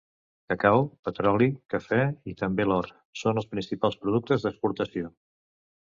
Cacau, petroli, cafè i també l'or són els principals productes d'exportació.